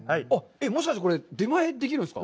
もしかして、これ、出前できるんですか！？